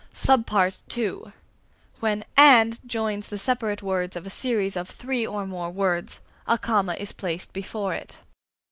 (b) When "and" joins the separate words of a series of three or more words, a comma is placed before it.